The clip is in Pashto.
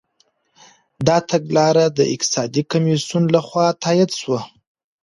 دا تګلاره د اقتصادي کميسيون لخوا تاييد سوه.